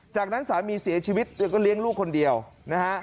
จากนั้นสามีเสียชีวิตแล้วก็เลี้ยงลูกคนเดียวนะฮะ